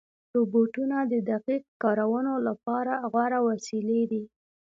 روبوټونه د دقیق کارونو لپاره غوره وسیلې دي.